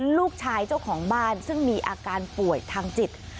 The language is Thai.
ลูกชายเจ้าของบ้านซึ่งมีอาการป่วยทางจิต